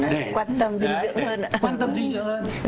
quan tâm dinh dưỡng hơn ạ